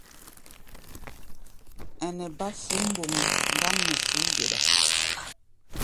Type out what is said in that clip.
Ɛnɛ bá fuú-mboŋgo ŋgám nɛ fuú-geɗa.